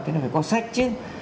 thế nên phải có sách chứ